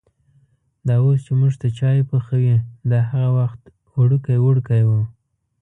دا اوس چې مونږ ته چای پخوي، دا هغه وخت وړوکی وړکی و.